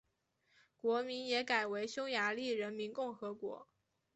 国名也改为匈牙利人民共和国。